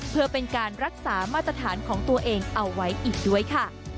เพื่อเป็นการรักษามาตรฐานของตัวเองเอาไว้อีกด้วยค่ะ